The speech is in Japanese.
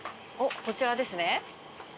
こちらですね。